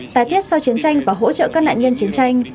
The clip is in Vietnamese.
tái thiết sau chiến tranh và hỗ trợ các nạn nhân chiến tranh